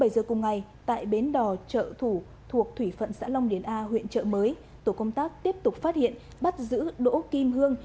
bảy giờ cùng ngày tại bến đò chợ thủ thuộc thủy phận xã long điển a huyện trợ mới tổ công tác tiếp tục phát hiện bắt giữ đỗ kim hương